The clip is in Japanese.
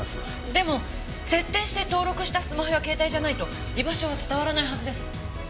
でも設定して登録したスマホや携帯じゃないと居場所は伝わらないはずです。